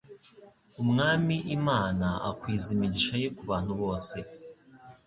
Umwami Imana akwiza imigisha ye ku bantu bose.